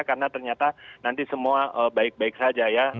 karena ternyata nanti semua baik baik saja ya